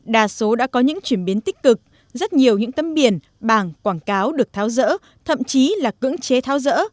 đa số đã có những chuyển biến tích cực rất nhiều những tấm biển bảng quảng cáo được tháo rỡ thậm chí là cưỡng chế tháo rỡ